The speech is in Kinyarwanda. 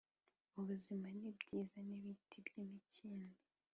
ubuzima nibyiza nibiti by'imikindo.